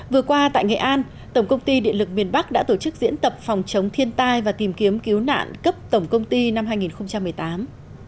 vừa qua tại nghệ an tổng công ty điện lực miền bắc đã tổ chức diễn tập phòng chống thiên tai và tìm kiếm cứu nạn cấp tổng công ty năm hai nghìn một mươi tám